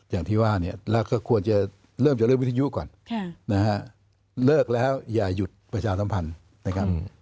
อย่างที่ว่าเนี่ยเราก็ควรจะเริ่มจะเลือกวิทยุก่อนนะฮะเลิกแล้วอย่าหยุดประชาสัมพันธ์นะครับ